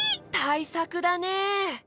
たいさくだねえ。